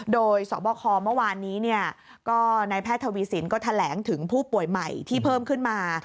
โดยสบคเมื่อวานนี้ก็นายแพทย์ทวีสินก็แถลงถึงผู้ป่วยใหม่ที่เพิ่มขึ้นมา